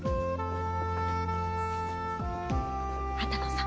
畑野さん。